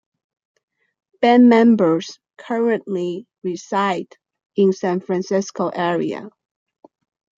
Band members currently reside in San Francisco area.